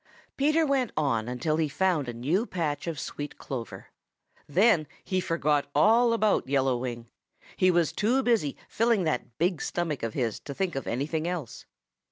Peter went on until he found a new patch of sweet clover. Then he forgot all about Yellow Wing. He was too busy filling that big stomach of his to think of anything else.